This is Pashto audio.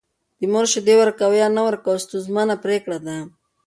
د مور شیدې ورکول یا نه ورکول ستونزمنه پرېکړه ده.